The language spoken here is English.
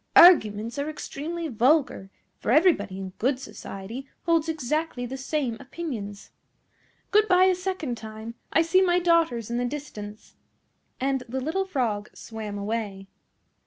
"Arguments are extremely vulgar, for everybody in good society holds exactly the same opinions. Good bye a second time; I see my daughters in the distance;" and the little Frog swam away.